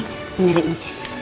ini dari ucis